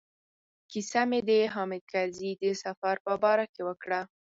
کیسه مې د حامد کرزي د سفر په باره کې وکړه.